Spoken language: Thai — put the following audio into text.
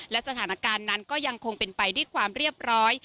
และสถานการณ์นั้นก็ยังคงเป็นไปด้วยความเรียบร้อย